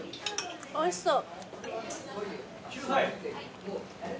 おいしそう。